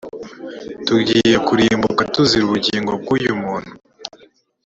tugiye kurimbuka tuzira ubugingo bw’uyu muntu i